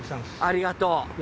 ありがとう。